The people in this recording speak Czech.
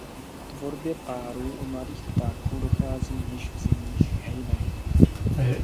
K tvorbě párů u mladých ptáků dochází již v zimních hejnech.